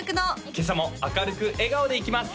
今朝も明るく笑顔でいきます